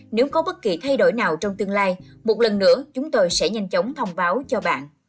nếu có bất kỳ thay đổi nào trong tương lai một lần nữa chúng tôi sẽ nhanh chóng thông báo cho bạn